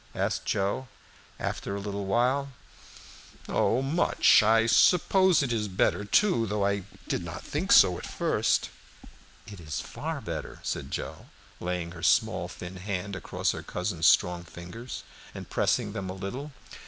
asked Joe, after a little while. "Oh, much!" assented Ronald. "I suppose it is better, too, though I did not think so at first." "It is far better," said Joe, laying her small, thin hand across her cousin's strong fingers and pressing them a little.